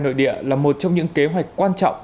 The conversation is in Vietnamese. nội địa là một trong những kế hoạch quan trọng